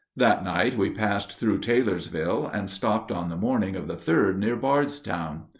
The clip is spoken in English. That night we passed through Taylorsville, and stopped on the morning of the 3d near Bardstown.